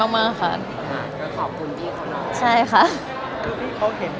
พี่อ้ามช่วยชีวิตมากค่ะ